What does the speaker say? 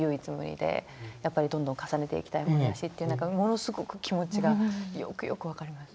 やっぱりどんどん重ねていきたいものだしって何かものすごく気持ちがよくよく分かります。